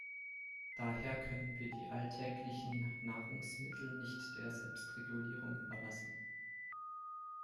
Daher können wir die alltäglichen Nahrungsmittel nicht der Selbstregulierung überlassen.